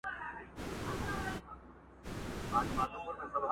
لوړ ځاى نه و، کښته زه نه کښېنستم.